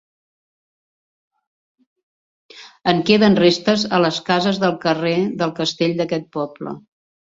En queden restes a les cases del carrer del Castell d'aquest poble.